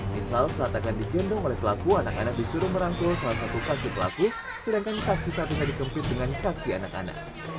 misal saat akan digendong oleh pelaku anak anak disuruh merangkul salah satu kaki pelaku sedangkan kaki sapinya dikempit dengan kaki anak anak